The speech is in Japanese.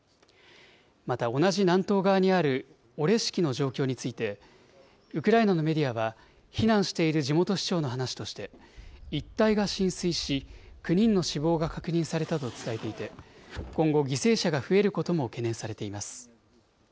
また同じ南東側にあるオレシキの状況について、ウクライナのメディアは、避難している地元市町の話として、一帯が浸水し、９人の死亡が確認されたと伝えていて、今後、犠牲者が増えることも懸念されています。